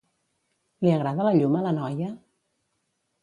Li agrada la llum a la noia?